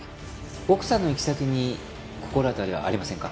「奥さんの行き先に心当たりはありませんか？」